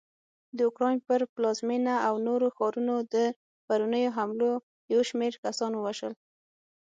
د اوکراین پر پلازمېنه او نورو ښارونو د پرونیو حملو یوشمېر کسان ووژل